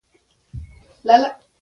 نرمه او پسته ژبه د سړي هډوکي هم ماتوي.